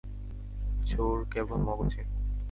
জোর কেবল মগজে।